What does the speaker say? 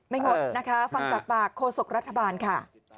งดนะคะฟังจากปากโฆษกรัฐบาลค่ะ